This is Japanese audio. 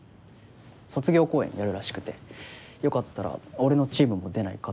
卒業公演やるらしくてよかったら俺のチームも出ないか？